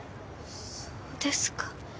そうですか。